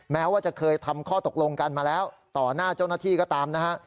แม้ว่าจะเคยทำข้อตกลงกันมาแล้วต่อหน้าเจ้าหน้าที่ก็ตามนะฮะ